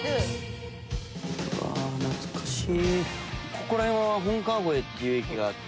ここら辺は本川越っていう駅があって。